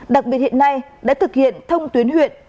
đặc biệt hiện nay đã thực hiện thông tuyến huyện